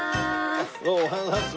どうもおはようございます。